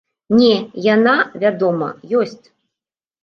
Не, яна, вядома, ёсць.